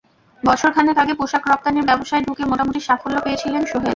বছর খানেক আগে পোশাক রপ্তানির ব্যবসায় ঢুকে মোটামুটি সাফল্য পেয়েছিলেন সোহেল।